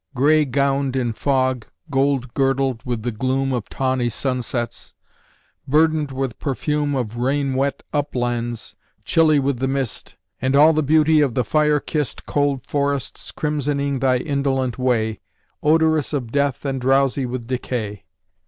Gray gowned in fog, gold girdled with the gloom Of tawny sunsets; burdened with perfume Of rain wet uplands, chilly with the mist; And all the beauty of the fire kissed Cold forests crimsoning thy indolent way, Odorous of death and drowsy with decay.